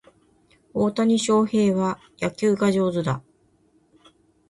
大谷翔平は野球が上手だ